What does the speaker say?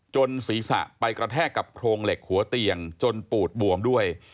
ศีรษะไปกระแทกกับโครงเหล็กหัวเตียงจนปูดบวมด้วย